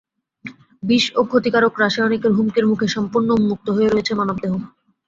বিষ ও ক্ষতিকারক রাসায়নিকের হুমকির মুখে সম্পূর্ণ উন্মুক্ত হয়ে রয়েছে মানবদেহ।